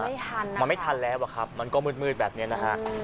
ไม่ทันมันไม่ทันแล้วอะครับมันก็มืดแบบนี้นะฮะ